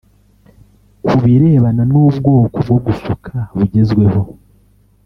Ku birebana n’ubwoko bwo gusuka bugezweho